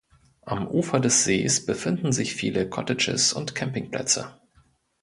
Am Ufer des Sees befinden sich viele Cottages und Campingplätze.